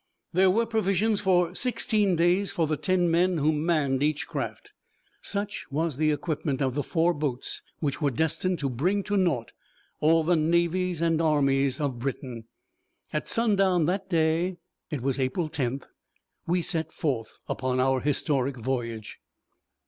There were provisions for sixteen days for the ten men who manned each craft. Such was the equipment of the four boats which were destined to bring to naught all the navies and armies of Britain. At sundown that day it was April 10th we set forth upon our historic voyage.